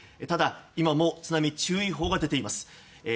ただ今も津波注意報が出ています。